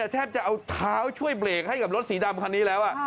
แทบจะเอาเท้าช่วยเบรกให้กับรถสีดำคันนี้แล้ว